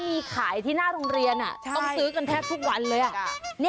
มีขายที่หน้าโรงเรียนต้องซื้อกันแทบทุกวันเลย